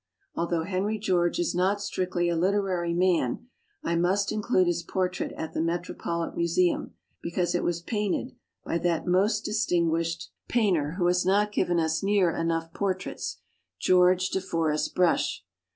Although Henry George is not strictly a literary man, I must include his portrait at the Metropolitan Museum because it was painted by that most distinguished 72 THE BOOKMAN painter who has not given us near enough portraits, George de Forest Brush.